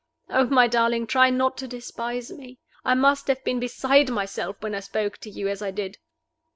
Oh, my darling, try not to despise me! I must have been beside myself when I spoke to you as I did.